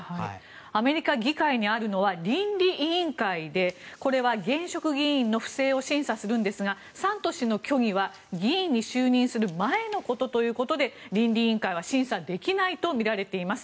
アメリカ議会にあるのは倫理委員会でこれは現職議員の不正を審査するんですがサントス氏の虚偽は議員に就任する前のことということで倫理委員会は審査できないとみられています。